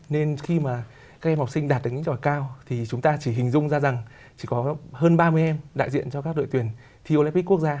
nên khi mà các em học sinh đạt được những tròi cao thì chúng ta chỉ hình dung ra rằng chỉ có hơn ba mươi em đại diện cho các đội tuyển thi olympic quốc gia